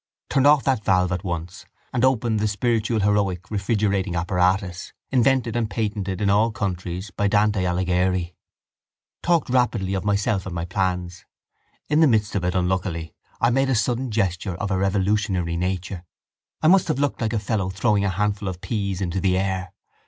Turned off that valve at once and opened the spiritual heroic refrigerating apparatus, invented and patented in all countries by Dante Alighieri. Talked rapidly of myself and my plans. In the midst of it unluckily I made a sudden gesture of a revolutionary nature. I must have looked like a fellow throwing a handful of peas into the air.